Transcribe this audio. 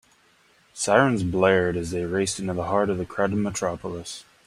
Sirens blared as they raced into the heart of the crowded metropolis.